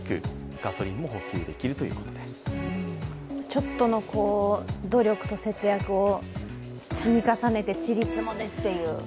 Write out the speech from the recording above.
ちょっとの努力と節約を積み重ねてちりつもでっていう。